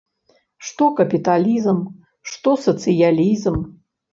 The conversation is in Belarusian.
Што капіталізм, што сацыялізм.